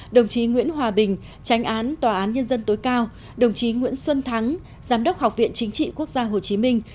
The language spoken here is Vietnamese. đồng chí nguyễn hòa bình tránh án tòa án nhân dân tối cao đồng chí nguyễn xuân thắng giám đốc học viện chính trị quốc gia hồ chí minh